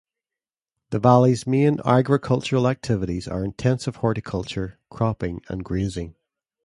The valley's main agricultural activities are intensive horticulture, cropping and grazing.